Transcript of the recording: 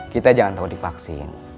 kita jangan takut divaksin